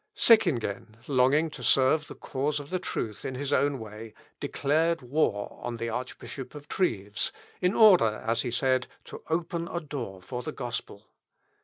Seckingen, longing to serve the cause of truth in his own way, declared war on the Archbishop of Treves, "in order," as he said, "to open a door for the gospel."